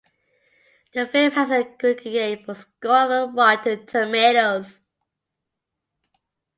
The film has an aggregate score of on Rotten Tomatoes.